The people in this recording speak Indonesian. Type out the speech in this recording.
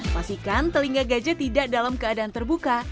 pastikan telinga gajah tidak dalam keadaan terbuka